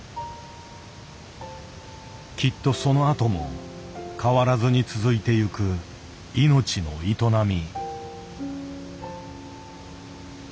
きっとそのあとも変わらずに続いてゆく命の営み。